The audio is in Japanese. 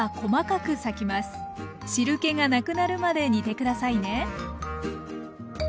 汁けがなくなるまで煮て下さいね。